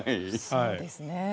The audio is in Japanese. そうですね。